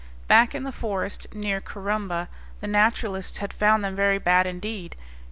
Back in the forest near Corumba the naturalists had found them very bad indeed.